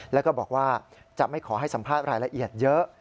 แล้วก็บอกว่าจะไม่ขอให้สัมภาษณ์รายละเอียดเยอะ